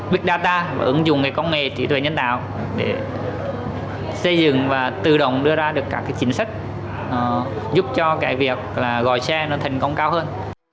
big data và ứng dụng cái công nghệ trí tuệ nhân tạo để xây dựng và tự động đưa ra được các cái chính sách giúp cho cái việc là gọi xe nó thành công cao hơn